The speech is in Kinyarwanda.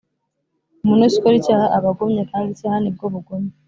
Umuntu wese ukora icyaha, aba agomye, kandi icyaha ni bwo bugome.